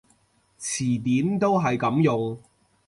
詞典都係噉用